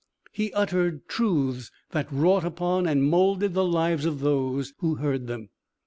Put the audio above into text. He uttered truths that wrought upon and moulded the lives of those who heard him.